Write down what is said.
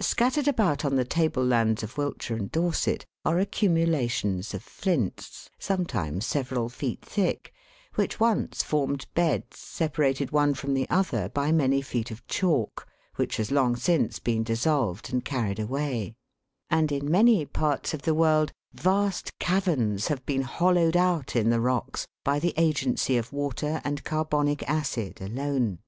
Scattered about on the table lands of Wiltshire and Dor set are accumulations of flints, sometimes several feet thick, which once formed beds separated one from the other by many feet of chalk, which has long since been dissolved and carried away; and in many parts of the world vast caverns have been hollowed out in the rocks by the agency of water and carbonic acid alone. LIMESTONE CAVERNS.